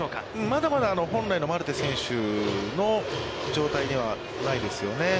まだまだ本来のマルテ選手の状態ではないですよね。